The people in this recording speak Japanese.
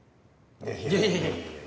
いやいやいや。